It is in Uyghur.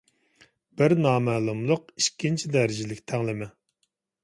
بىر نامەلۇملۇق ئىككىنچى دەرىجىلىك تەڭلىمە